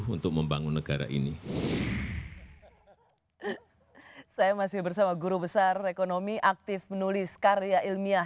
untuk membangun negara ini saya masih bersama guru besar ekonomi aktif menulis karya ilmiah